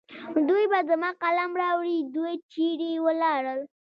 دوی به زما قلم راوړي. دوی چېرې ولاړل؟